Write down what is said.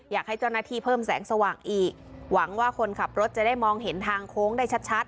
อยากให้เจ้าหน้าที่เพิ่มแสงสว่างอีกหวังว่าคนขับรถจะได้มองเห็นทางโค้งได้ชัด